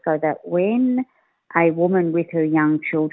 supaya ketika wanita dengan anak anak muda